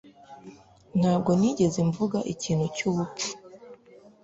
Ntabwo nigeze mvuga ikintu cyubupfu.